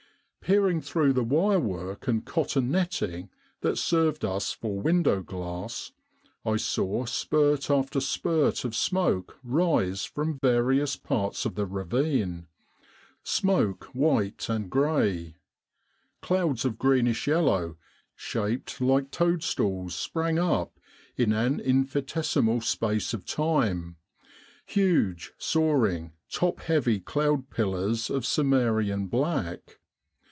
Peering through the wirework and cotton netting that served us for window glass, I saw spurt after spurt of smoke rise from yarious parts of the ravine smoke white, and grey; clouds of greenish yellow, shaped like toadstools, sprang up in an infinitesimal space of time; huge, soaring, top heavy cloud pillars of Cimmerian black.